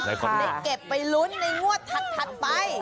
ได้เก็บไปลุ้นในงวดถัดไป